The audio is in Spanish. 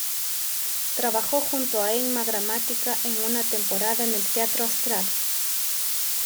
Trabajó junto a Emma Gramatica en una temporada en el Teatro Astral.